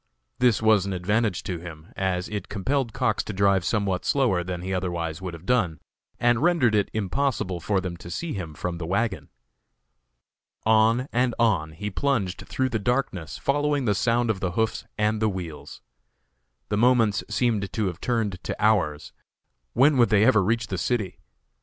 This was an advantage to him, as it compelled Cox to drive somewhat slower than he otherwise would have done, and rendered it impossible for them to see him from the wagon. On and on he plunged through the darkness, following the sound of the hoofs and the wheels. The moments seemed to have turned to hours; when would they ever reach the city?